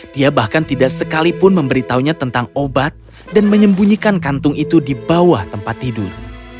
dia bahkan tidak sekalipun memberitahunya tentang obat dan menyembunyikan kantung itu di bawah tempat tidur